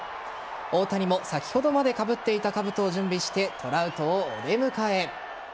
大谷も先ほどまでかぶっていたかぶとを準備してトラウトをお出迎え。